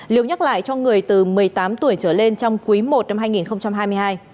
liều nhắc lại cho người từ một mươi tám tuổi trở lên trong quý i năm hai nghìn hai mươi hai